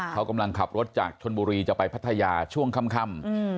เขากำลังขับรถจากชนบุรีจะไปพัทยาช่วงค่ำ